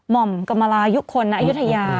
ม่อมกมลายุทยา